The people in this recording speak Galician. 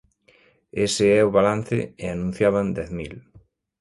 Ese é o balance, e anunciaban dez mil.